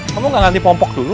kamu gak ganti pom pok dulu